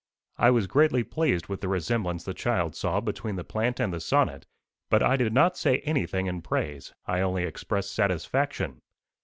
I was greatly pleased with the resemblance the child saw between the plant and the sonnet; but I did not say anything in praise; I only expressed satisfaction.